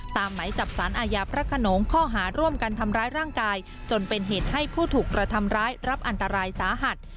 หมายจับสารอาญาพระขนงข้อหาร่วมกันทำร้ายร่างกายจนเป็นเหตุให้ผู้ถูกกระทำร้ายรับอันตรายสาหัส